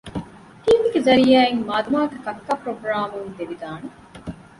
ޓީވީގެ ޒަރިއްޔާއިން މާދަމާގެ ކައްކާ ޕުރޮގްރާމުން ދެވިދާނެ